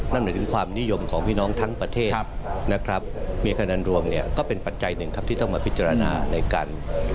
นั่นหมายถึงความนิยมของพี่น้องทั้งประเทศนะครับมีคะแนนรวมเนี่ย